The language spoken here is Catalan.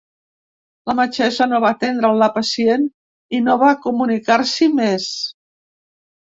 La metgessa no va atendre la pacient i no va comunicar-s’hi més.